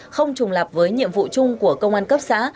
không trùng lập với nhiệm vụ chung của công an cấp xã